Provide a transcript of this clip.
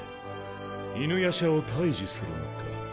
犬夜叉を退治するのか？